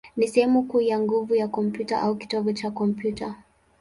ni sehemu kuu ya nguvu ya kompyuta, au kitovu cha kompyuta.